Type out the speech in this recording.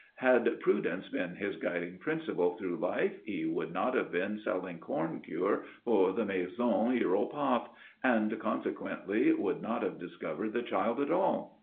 Had prudence been his guiding principle through life he would not have been selling corn cure for the Maison Hiéropath, and consequently would not have discovered the child at all.